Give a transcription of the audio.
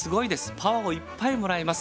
パワーをいっぱいもらえます。